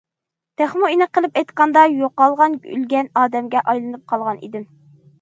تېخىمۇ ئېنىق قىلىپ ئېيتقاندا، يوقالغان، ئۆلگەن ئادەمگە ئايلىنىپ قالغان ئىدىم.